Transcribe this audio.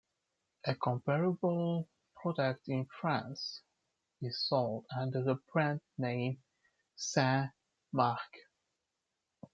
A comparable product in France is sold under the brand name Saint Marc.